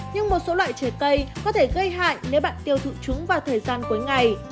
nhưng một số loại trái cây có thể gây hại nếu bạn tiêu thụ chúng vào thời gian cuối ngày